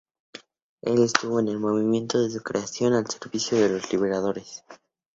Él estuvo, en el momento de su creación, al servicio de los Libertadores.